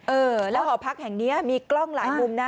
เออแล้วหอพักแห่งนี้มีกล้องหลายมุมนะ